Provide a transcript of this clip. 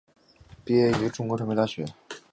毕业于中国传媒大学。